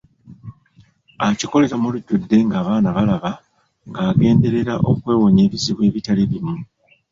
Akikolera mu lujjudde ng'abaana balaba, ng'agenderera okwewonya ebizibu ebitali bimu.